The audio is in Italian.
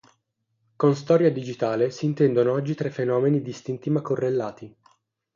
Con storia digitale si intendono oggi tre fenomeni distinti ma correlati.